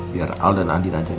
biar al dan andi nganjurin